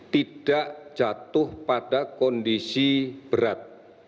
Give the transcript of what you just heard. tidak jatuh pada kondisi berat